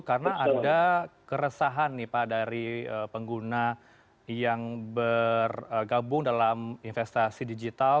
karena ada keresahan nih pak dari pengguna yang bergabung dalam investasi digital